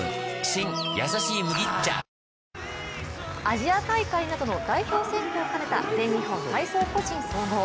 アジア大会などの代表選考を兼ねた全日本体操個人総合。